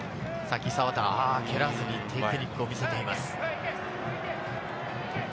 蹴らずにテクニックを見せています。